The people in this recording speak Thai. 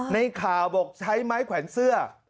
ในข่าวบอกใช้ไม้แขวนเสื้อ